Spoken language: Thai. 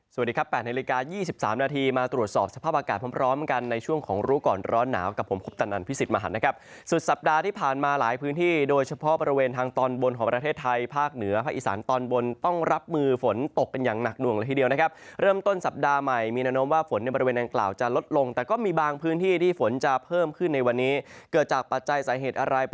สวัสดีครับ๘นาฬิกา๒๓นาทีมาตรวจสอบสภาพอากาศพร้อมกันในช่วงของรู้ก่อนร้อนหนาวกับผมคบตันอันพิสิทธิ์มหันต์นะครับสุดสัปดาห์ที่ผ่านมาหลายพื้นที่โดยเฉพาะบริเวณทางตอนบนของประเทศไทยภาคเหนือพระอีสานตอนบนต้องรับมือฝนตกกันอย่างหนักนวงละทีเดียวนะครับเริ่มต้นสัป